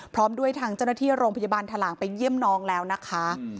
พร้อมด้วยทางเจ้าหน้าที่โรงพยาบาลถลางไปเยี่ยมน้องแล้วนะคะ